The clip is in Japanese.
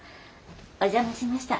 お邪魔しました。